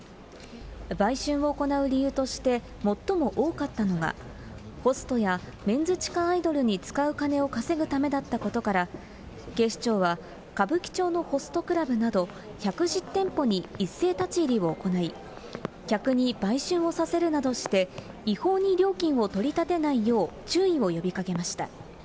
売春を行う理由として、最も多かったのが、ホストやメンズ地下アイドルに使う金を稼ぐためだったことから、警視庁は、歌舞伎町のホストクラブなど１１０店舗に一斉立ち入りを行い、客に売春をさせるなどして、違法に料金を取り立てないよう注意を呼びかけました。